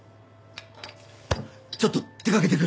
ちょっと出かけてくる。